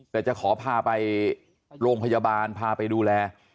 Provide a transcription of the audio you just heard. แต่จะขอพาไปโรงพยาบาลพาไปดูแล